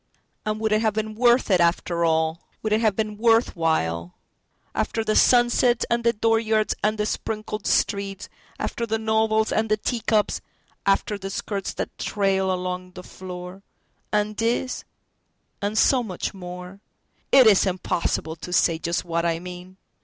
And would it have been worth it, after all, Would it have been worth while, After the sunsets and the dooryards and the sprinkled streets, After the novels, after the teacups, after the skirts that trail along the floor—And this, and so much more?—It is impossible to say just what I mean!